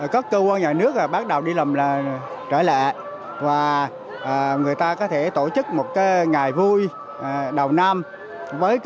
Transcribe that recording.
các cơ quan nhà nước bắt đầu đi làm là trở lại và người ta có thể tổ chức một ngày vui đầu năm